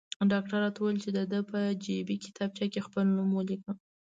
ډاکټر راته وویل چې د ده په جیبي کتابچه کې خپل نوم ولیکم.